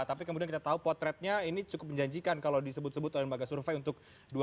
tapi kemudian kita tahu potretnya ini cukup menjanjikan kalau disebut sebut oleh lembaga survei untuk dua ribu sembilan belas